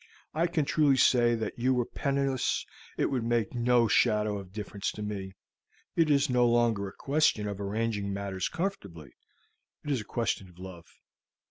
I can truly say that were you penniless, it would make no shadow of difference to me. It is no longer a question of arranging matters comfortably: it is a question of love.